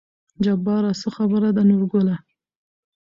جبار : څه خبره ده نورګله